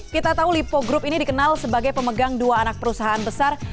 kita tahu lipo group ini dikenal sebagai pemegang dua anak perusahaan besar